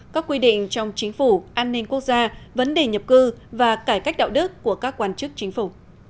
các quy định trong chính phủ an ninh quốc gia vấn đề nhập cư và cải cách đạo đức của các quan chức chính phủ